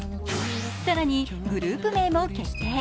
更にグループ名も決定。